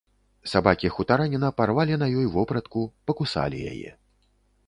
Сабакі хутараніна парвалі на ёй вопратку, пакусалі яе.